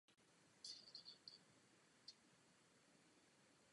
Štěpán je pak ostatními oslavován jako velký hrdina.